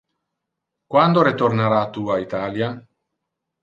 Quando retornara tu a Italia?